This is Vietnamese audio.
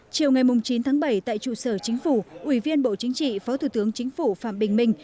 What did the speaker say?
chiều ngày chín tháng bảy tại trụ sở chính phủ ủy viên bộ chính trị phó thủ tướng chính phủ phạm bình minh